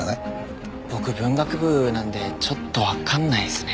僕文学部なんでちょっとわかんないですね。